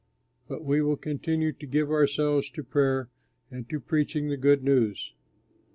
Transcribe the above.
But we will continue to give ourselves to prayer and to preaching the good news."